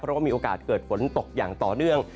เพราะว่ามีโอกาสเกิดฝนตกอย่างต่อเนื่อง